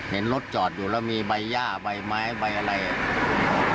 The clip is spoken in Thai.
เห็นรถจอดอยู่แล้วมีใบย่าใบไม้ใบอะไรอ่ะ